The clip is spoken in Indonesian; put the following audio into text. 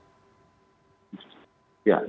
apa yang akan terjadi